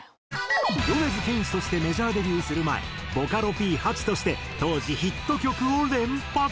米津玄師としてメジャーデビューする前ボカロＰハチとして当時ヒット曲を連発。